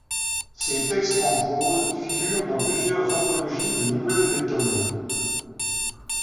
Ses textes en prose figurent dans plusieurs anthologies de nouvelles lettones.